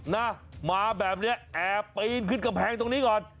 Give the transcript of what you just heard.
นะมาแบบนี้แอบปีนขึ้นกำแพงตรงนี้ก่อน